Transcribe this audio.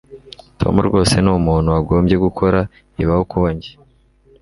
tom rwose ni umuntu wagombye gukora ibi aho kuba njye